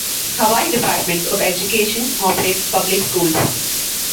Hawaii Department of Education operates public schools.